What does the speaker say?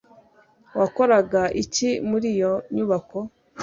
Wakoraga iki muri iyo nyubako